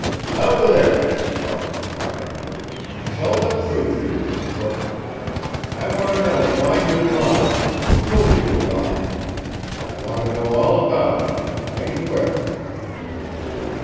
"Out with it!" Farland cried. "Tell the truth, you little crook! I want to know why you lied, who told you to lie. I want to know all about it, and mighty quick!"